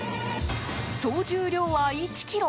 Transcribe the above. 総重量は１ｋｇ。